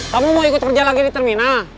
kamu mau ikut kerja lagi di terminal